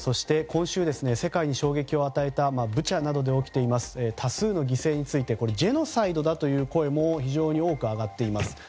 今週世界に衝撃を与えたブチャなどで起きた多数の襲撃についてジェノサイドだという声も非常に多く上がっています。